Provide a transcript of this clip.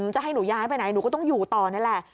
จะให้หนูย้ายไปไหนหนูก็ต้องอยู่ต่อนี่แหละ